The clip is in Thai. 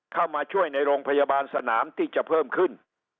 เข้ามาช่วยในโรงพยาบาลสนามที่จะเพิ่มขึ้น